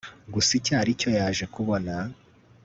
gusa icyo aricyo yaje kubona